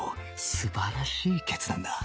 素晴らしい決断だ